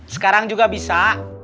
sekarang juga bisa